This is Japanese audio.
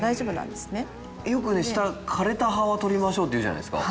よく枯れた葉は取りましょうって言うじゃないですか。